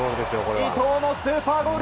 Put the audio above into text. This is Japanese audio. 伊東のスーパーゴール！